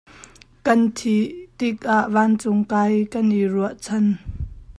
Kan thih tikah vancung kai kan i ruahchan.